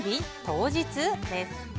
当日？です。